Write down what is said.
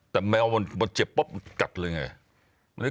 แต่แมวมันเจ็บปุ๊บมันกัดเลยไง